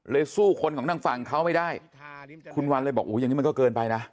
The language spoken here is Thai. สู้คนของทางฝั่งเขาไม่ได้คุณวันเลยบอกอย่างนี้มันก็เกินไปนะ